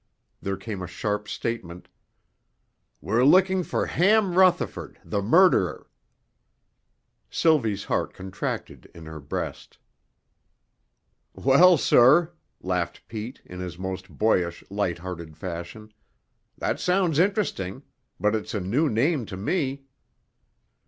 There came a sharp statement: "We're looking for Ham Rutherford, the murderer." Sylvie's heart contracted in her breast. "Well, sir," laughed Pete, in his most boyish, light hearted fashion, "that sounds interesting. But it's a new name to me."